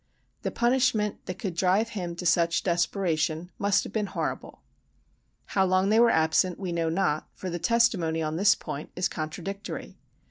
The punishment that could drive him to such desperation must have been horrible. How long they were absent we know not, for the testimony on this point is contradictory.